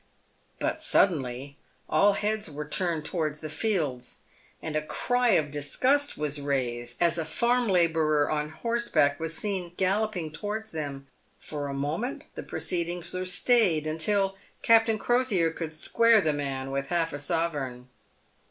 But sud denly all heads were turned towards the fields, and a cry of disgust was raised as a farm labourer on horseback was seen galloping towards them. For a moment the proceedings were stayed, until Captain Crosier could square the man with half a sovereign.